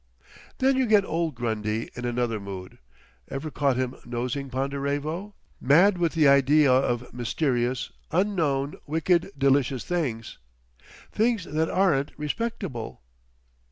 "Then you get old Grundy in another mood. Ever caught him nosing, Ponderevo? Mad with the idea of mysterious, unknown, wicked, delicious things. Things that aren't respectable.